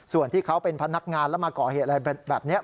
ส่วนที่เขาเป็นพนักงานแล้วมาก่อเหตุอะไรแบบนี้